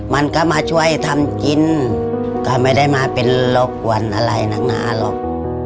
มันก็มาช่วยทำกินก็ไม่ได้มาเป็นล็อกกวนอะไรนักหนาหรอก